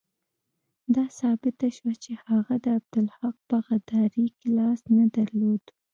دا ثابته شوه چې هغه د عبدالحق په غداري کې لاس نه درلود.